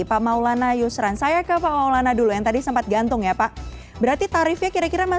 pak maulana yusran saya ke pak maulana dulu yang tadi sempat gantung ya pak berarti tarifnya kira kira